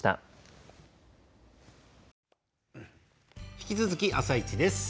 引き続き「あさイチ」です。